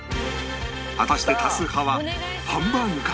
果たして多数派はハンバーグか？